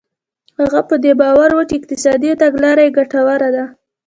هغه په دې باور و چې اقتصادي تګلاره یې ګټوره ده.